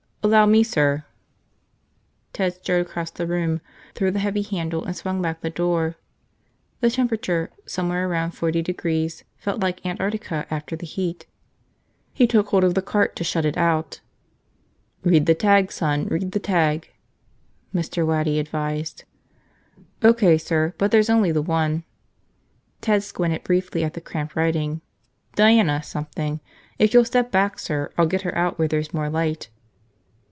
"Allow me, sir." Ted strode across the room, threw the heavy handle and swung back the door. The temperature, somewhere around forty degrees, felt like Antarctica after the heat. He took hold of the cart to shunt it out. "Read the tag, son, read the tag," Mr. Waddy advised. "O.K., sir. But there's only the one." Ted squinted briefly at the cramped writing. "Diana something. If you'll step back, sir, I'll get her out where there's more light."